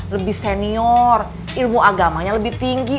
lebih senior ilmu agamanya lebih tinggi